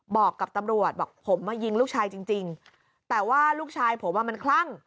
บอกกับตำรวจบอกผมมายิงลูกชายจริงจริงแต่ว่าลูกชายผมอ่ะมันคลั่ง